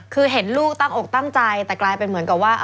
คือเห็นลูกตั้งอกตั้งใจแต่กลายเป็นเหมือนกับว่า